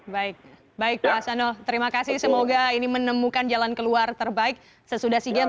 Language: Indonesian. baik baik pak hasanul terima kasih semoga ini menemukan jalan keluar terbaik sesudah sea games